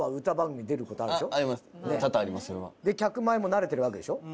それは。で客前も慣れてるわけでしょ？